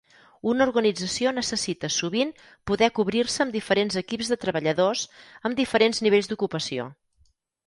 Una organització necessita sovint poder cobrir-se amb diferents equips de treballadors amb diferents nivells d'ocupació.